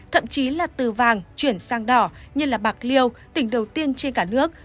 thậm chí là từ vàng chuyển sang đỏ như bạc liêu tỉnh đầu tiên trên cả nước